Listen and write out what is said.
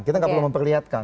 kita nggak perlu memperlihatkan